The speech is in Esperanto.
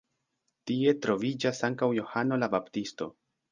Tie troviĝas ankaŭ Johano la Baptisto.